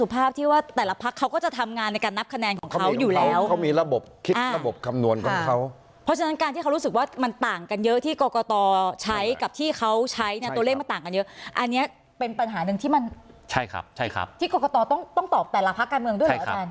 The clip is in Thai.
เป็นปัญหาหนึ่งที่มันใช่ครับใช่ครับที่กรกตต้องตอบแต่ละพักการเมืองด้วยเหรออาจารย์